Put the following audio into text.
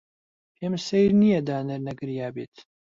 پێم سەیر نییە دانەر نەگریابێت.